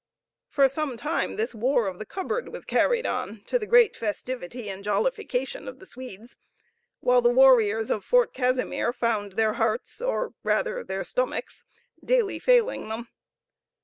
For some time this war of the cupboard was carried on to the great festivity and jollification of the Swedes, while the warriors of Fort Casimir found their hearts, or rather their stomachs, daily failing them.